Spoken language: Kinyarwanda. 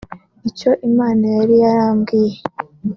ni cyo Imana yari yarambwiye